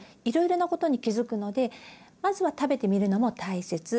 いろいろなことに気付くのでまずは食べてみるのも大切。